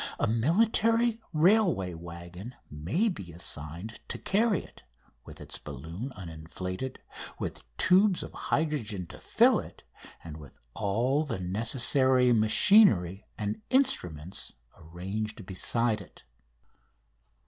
A military railway waggon may be assigned to carry it, with its balloon uninflated, with tubes of hydrogen to fill it, and with all the necessary machinery and instruments arranged beside it.